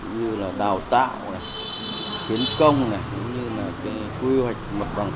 như là đào tạo kiến công này như là cái quy hoạch mật đoàn sản xuất như vậy thì nó mới phát triển đến thuận được